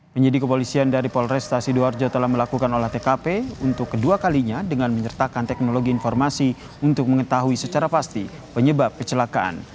penyidik kepolisian dari polresta sidoarjo telah melakukan olah tkp untuk kedua kalinya dengan menyertakan teknologi informasi untuk mengetahui secara pasti penyebab kecelakaan